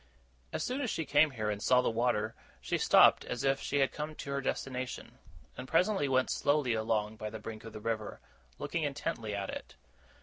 As soon as she came here, and saw the water, she stopped as if she had come to her destination; and presently went slowly along by the brink of the river, looking intently at it.